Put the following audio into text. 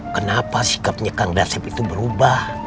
kenapa sikapnya kang dasib itu berubah